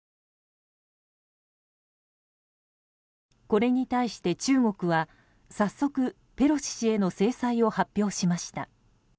これに対して中国は早速ペロシ氏への制裁を発表しました。